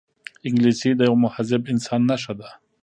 انګلیسي د یوه مهذب انسان نښه ده